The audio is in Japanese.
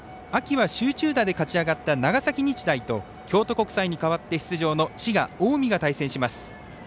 秋は集中打で勝ち上がった長崎日大と京都国際に代わって出場の滋賀・近江が対戦します。